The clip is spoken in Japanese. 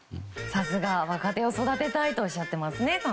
さすが若手を育てたいと寛平さんおっしゃっていますね。